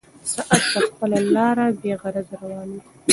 ساعت به په خپله لاره بېغرضه روان وي.